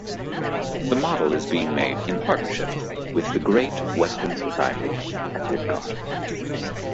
The model is being made in partnership with the Great Western Society at Didcot.